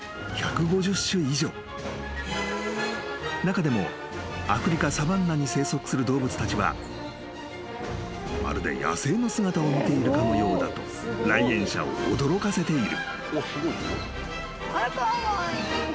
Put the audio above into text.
［中でもアフリカサバンナに生息する動物たちはまるで野生の姿を見ているかのようだと来園者を驚かせている］